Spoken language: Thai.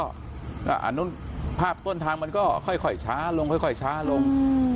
อันนู้นภาพต้นทางมันก็ค่อยช้าลงค่อยช้าลง